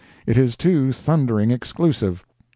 It is too thundering exclusive.